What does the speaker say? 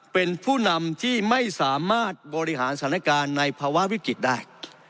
เป็นผู้นำที่ไม่สามารถบริหารสถานการณ์ในภาวะวิกฤตได้